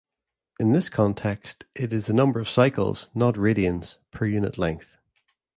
In this context, it is the number of "cycles"-not radians-per unit length.